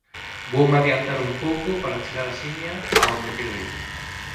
Voume adiantar un pouco para chegar axiña a onde quero ir.